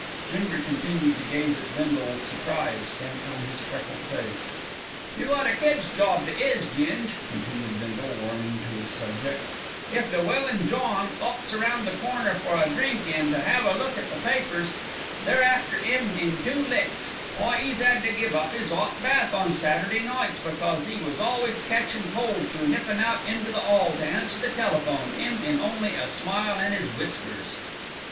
Ginger continued to gaze at Bindle with surprise stamped on his freckled face. "You got a kid's job to 'is, Ging," continued Bindle, warming to his subject. "If Llewellyn John 'ops round the corner for a drink an' to 'ave a look at the papers, they're after 'im in two ticks. Why 'e's 'ad to give up 'is 'ot bath on Saturday nights because 'e was always catchin' cold through nippin' out into the 'all to answer the telephone, 'im in only a smile an' 'is whiskers."